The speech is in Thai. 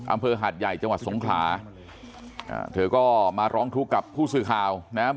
อำเภอหาดใหญ่จังหวัดสงขลาอ่าเธอก็มาร้องทุกข์กับผู้สื่อข่าวนะครับ